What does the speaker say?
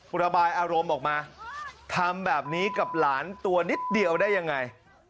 ระบายอารมณ์ออกมาทำแบบนี้กับหลานตัวนิดเดียวได้ยังไง